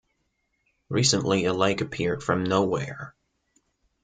Recently a lake appeared from nowhere.